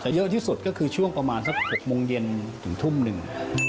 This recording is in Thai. เยอะที่สุดก็คือช่วงประมาณสัก๖โมงเย็นถึงทุ่มหนึ่ง